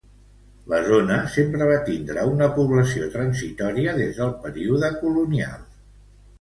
La zona sempre va tindre una població transitòria des del període colonial.